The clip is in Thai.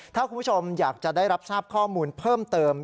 ถ้าคุณผู้ชมอยากจะได้รับทราบข้อมูลเพิ่มเติม